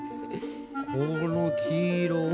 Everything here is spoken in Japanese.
この黄色を。